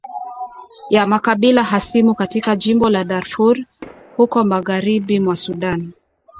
ya makabila hasimu katika jimbo la Darfur huko magharibi mwa Sudan